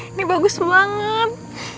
ini bagus banget